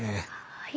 はい。